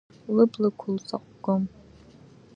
Лыблақәа лзаҟәгом!